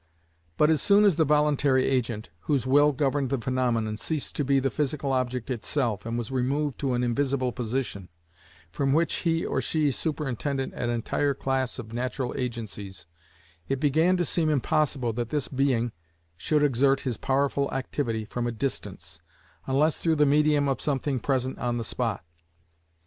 But as soon as the voluntary agent, whose will governed the phaenomenon, ceased to be the physical object itself, and was removed to an invisible position, from which he or she superintended an entire class of natural agencies, it began to seem impossible that this being should exert his powerful activity from a distance, unless through the medium of something present on the spot.